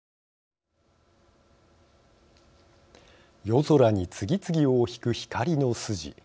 夜空に次々尾を引く光の筋。